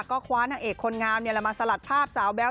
ก็คว้านางเอกคนงามมาสลัดภาพสาวแบ๊ว